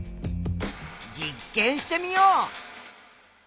実験してみよう。